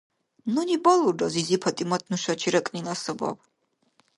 Нуни балулра зизи ПатӀимат нушачи ракӀнила сабаб.